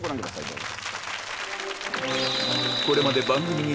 どうぞ。